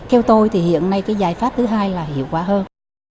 theo tôi thì hiện nay cái giải pháp thứ hai là hiệu quả hơn